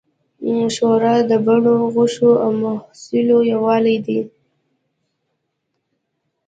ښوروا د بڼو، غوښو، او مصالحو یووالی دی.